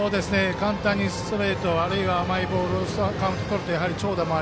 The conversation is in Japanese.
簡単にストレートあるいは甘いボールでカウントとるとね。